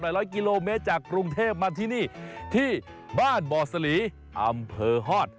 ร้อยกิโลเมตรจากกรุงเทพมาที่นี่ที่บ้านบ่อสลีอำเภอฮอต